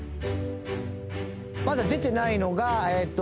まだ出てないのがえっと